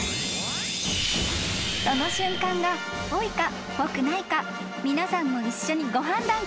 ［その瞬間がぽいかぽくないか皆さんも一緒にご判断ください］